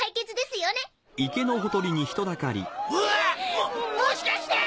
ももしかして！